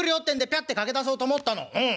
ゃっと駆け出そうと思ったのうん。